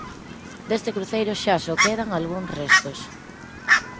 Deste cruceiro xa só quedan algúns restos.